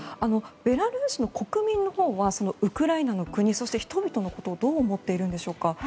ベラルーシの国民のほうはウクライナの国そして人々のことをどう思っているんでしょうか？